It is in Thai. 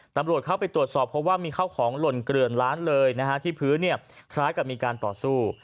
ตำรวจเข้าไปตรวจสอบเพราะว่ามีข้าวของหล่นเกลือนร้านเลยนะฮะที่พื้นเนี่ยคล้ายกับมีการต่อสู้